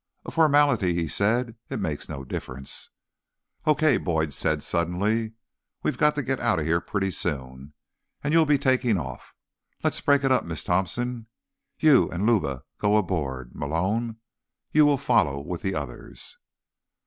"A formality," he said. "It makes no difference." "Okay," Boyd said suddenly. "We've got to get out of here pretty soon, and you'll be taking off. Let's break it up. Miss Thompson, you and Luba go aboard. Malone, you follow with the others."